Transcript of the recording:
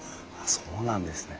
そうなんですね。